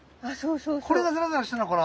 これがザラザラしてるのかな？